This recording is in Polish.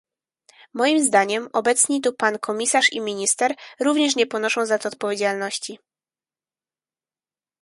Moim zdaniem, obecni tu pan komisarz i minister również nie ponoszą za to odpowiedzialności